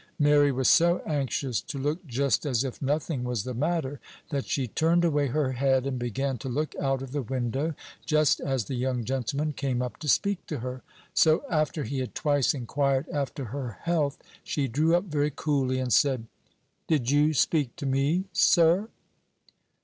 Mary was so anxious to look just as if nothing was the matter, that she turned away her head, and began to look out of the window just as the young gentleman came up to speak to her. So, after he had twice inquired after her health, she drew up very coolly, and said, "Did you speak to me, sir?"